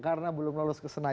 karena belum lolos ke senarai